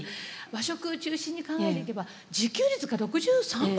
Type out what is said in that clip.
和食中心に考えていけば自給率が６３％になる。